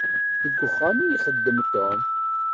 Deg uxxam i ixeddem Tom.